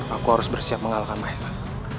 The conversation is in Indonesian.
aku harus bersiap mengalahkan mahesa